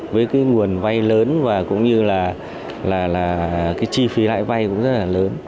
với cái nguồn vay lớn và cũng như là cái chi phí lãi vay cũng rất là lớn